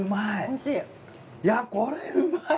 いやこれうまい！